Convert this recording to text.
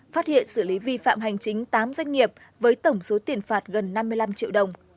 phát hiện xử lý vi phạm hành chính tám doanh nghiệp với tổng số tiền phạt gần năm mươi năm triệu đồng